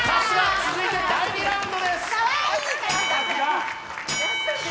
続いて第２ラウンドです。